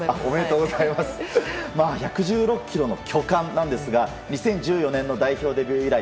１１６ｋｇの巨漢なんですが２０１４年の代表デビュー依頼